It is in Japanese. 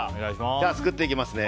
では作っていきますね。